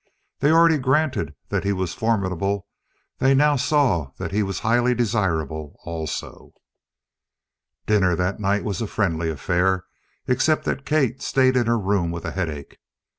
They already granted that he was formidable. They now saw that he was highly desirable also. Dinner that night was a friendly affair, except that Kate stayed in her room with a headache.